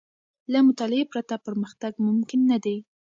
له مطالعې پرته، پرمختګ ممکن نه دی.